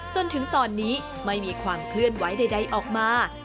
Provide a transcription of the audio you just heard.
จนถึงตอนนี้ไม่มีความเคลื่อนไหวใดออกมา